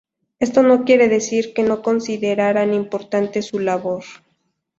Esto no quiere decir que no consideraran importante su labor.